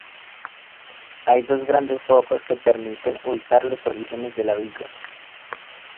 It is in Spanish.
Hay dos grandes focos que permiten ubicar los orígenes de la villa.